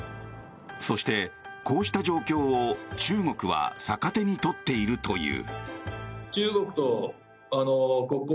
そして、こうした状況を中国は逆手に取っているという。